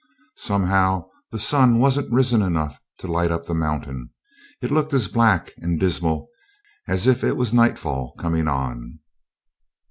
Somehow the sun wasn't risen enough to light up the mountain. It looked as black and dismal as if it was nightfall coming on.